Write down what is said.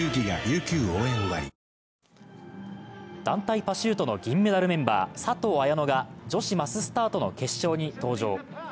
団体パシュートの銀メダルメンバー佐藤綾乃が女子マススタートの決勝に登場。